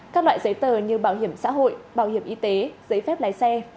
các loại giấy tờ như bảo hiểm xã hội bảo hiểm y tế giấy phép lái xe